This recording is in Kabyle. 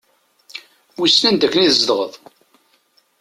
Wissen anda akken i tezdɣeḍ?